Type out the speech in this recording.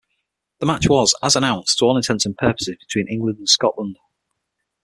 The match was, as announced, to all intents and purposes between England and Scotland.